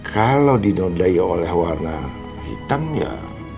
kalau dinodai oleh warna hitam ya